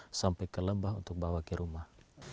bawa jeringan sampai ke lembah untuk bawa ke rumah